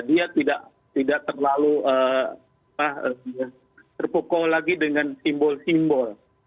dia tidak terlalu terpukul lagi dengan simbol simbol